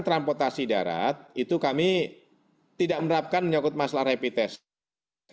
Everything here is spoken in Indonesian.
transportasi darat itu kami tidak menerapkan menyakut masalah rapid test